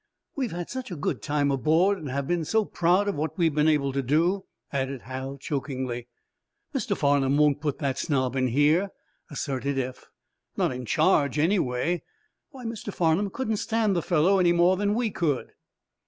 "We've had such a good time aboard, and have been so proud of what we've been able to do," added Hal, chokingly. "Mr. Farnum won't put that snob in here!" asserted Eph. "Not in charge, anyway. Why, Mr. Farnum couldn't stand the fellow any more than we could."